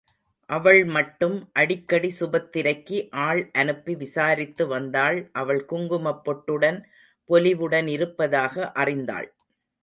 அவள் மட்டும் அடிக்கடி சுபத்திரைக்கு ஆள் அனுப்பி விசாரித்து வந்தாள் அவள் குங்குமப் பொட்டுடன் பொலிவுடன் இருப்பதாக அறிந்தாள்.